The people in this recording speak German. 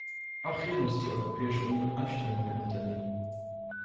Auch hier muss die Europäische Union Anstrengungen unternehmen.